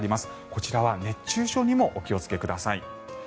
こちらは熱中症にもお気をつけください。